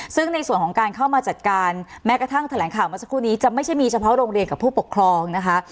ซึ่งในส่วนของการเข้ามาจัดการแม้กระทั่งแถลงข่าวเมื่อสักครู่นี้จะไม่ใช่มีเฉพาะโรงเรียนกับผู้ปกครองนะคะ